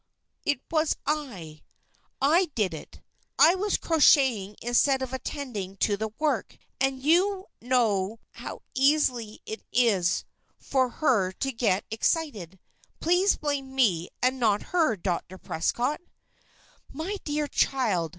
It was I. I did it. I was crocheting instead of attending to the work. And you know how easy it is for her to get excited. Please blame me and not her, Dr. Prescott." "My dear child!"